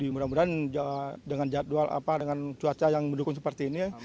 mudah mudahan dengan jadwal apa dengan cuaca yang mendukung seperti ini